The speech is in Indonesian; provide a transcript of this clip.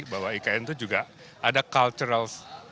bahwa ikn itu juga ada cultural